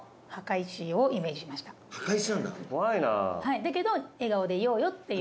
だけど笑顔でいようよっていう。